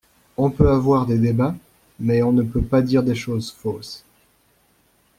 On peut avoir des débats, mais on ne peut pas dire des choses fausses.